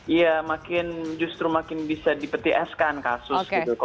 iya makin justru makin bisa dipetieskan kasus gitu